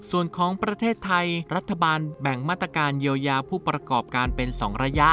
ส่วนของประเทศไทยรัฐบาลแบ่งมาตรการเยียวยาผู้ประกอบการเป็น๒ระยะ